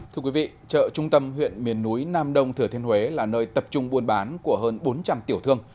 thưa quý vị chợ trung tâm huyện miền núi nam đông thừa thiên huế là nơi tập trung buôn bán của hơn bốn trăm linh tiểu thương